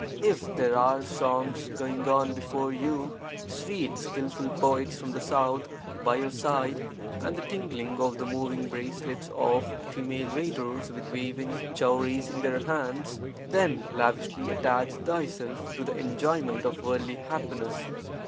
If there are songs (going on) before you, sweet (skilful) poets from the South by your side and the tinkling of the moving bracelets of female waiters with waving chowries in their hands, then lavishly attach thyself to the enjoyment of worldly happiness.